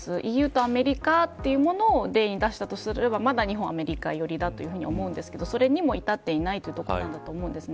ＥＵとアメリカというもので言い出したとすればまだ日本はアメリカ寄りだと思うんですけどそれにも至っていない、というところなんだと思うんです。